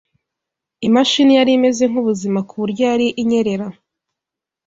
Imashini yari imeze nkubuzima ku buryo yari inyerera.